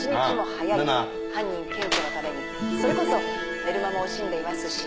犯人検挙のためにそれこそ寝る間も惜しんでいますし。